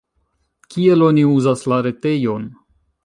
Kiel oni uzas la retejon?